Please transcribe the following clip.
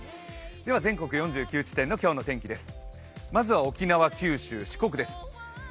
全国４９地点の今日の天気です。